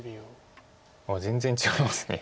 あっ全然違いますね。